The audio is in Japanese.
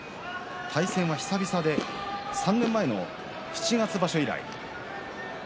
対戦は久々で３年前の七月場所以来。